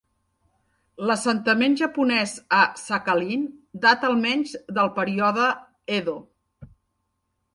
L'assentament japonès a Sakhalín data almenys del període Edo.